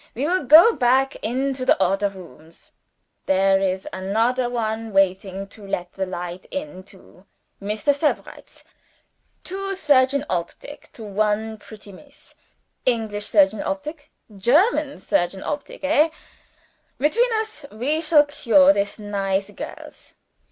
We will go back into the odder rooms. There is anodder one waiting to let the light in too Mr. Sebrights. Two surgeon optic to one pretty Miss English surgeon optic; German surgeon optic hey! between us we shall cure this nice girls.